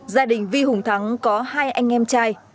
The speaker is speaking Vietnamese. gia đình vi hùng thắng có hai anh em trai